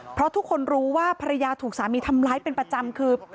เพราะทุกคนรู้ว่าภรรยาถูกสามีทำร้ายเป็นประจำคือ